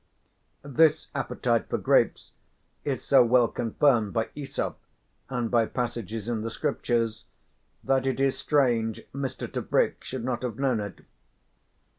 This appetite for grapes is so well confirmed by Aesop, and by passages in the Scriptures, that it is strange Mr. Tebrick should not have known it.